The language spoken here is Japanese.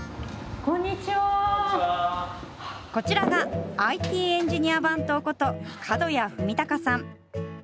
こちらがＩＴエンジニア番頭こと、角屋文隆さん。